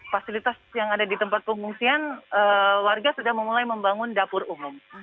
fasilitas yang ada di tempat pengungsian warga sudah memulai membangun dapur umum